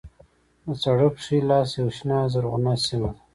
د سړک ښی لاس یوه شنه زرغونه سیمه ده.